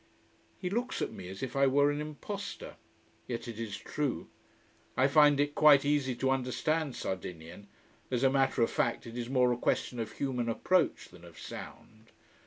He looks at me as if I were an imposter. Yet it is true. I find it quite easy to understand Sardinian. As a matter of fact, it is more a question of human approach than of sound.